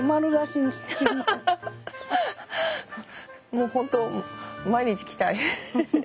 もうホント毎日来たい。